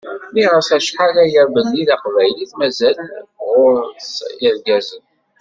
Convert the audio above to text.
Nniɣ-as acḥal aya belli taqbaylit mazal ɣur-s irgazen